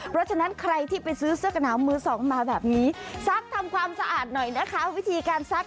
เพราะฉะนั้นใครที่ไปซื้อเสื้อกะหนาวมื้อสองมาแบบนี้